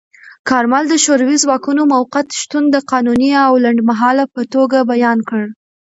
کارمل د شوروي ځواکونو موقت شتون د قانوني او لنډمهاله په توګه بیان کړ.